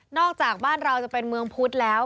อกจากบ้านเราจะเป็นเมืองพุธแล้ว